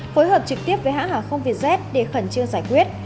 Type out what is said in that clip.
phối hợp trực tiếp với hãng hàng không vietjet để khẩn trương giải quyết